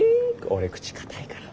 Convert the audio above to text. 俺口堅いから。